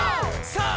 さあ！